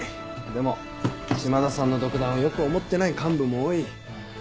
でも島田さんの独断をよく思ってない幹部も多い。